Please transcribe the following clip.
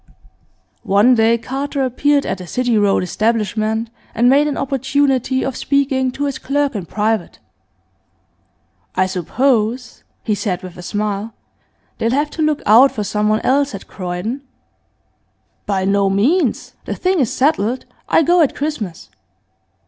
One day Carter appeared at the City Road establishment, and made an opportunity of speaking to his clerk in private. 'I suppose,' he said with a smile, 'they'll have to look out for someone else at Croydon?' 'By no means! The thing is settled. I go at Christmas.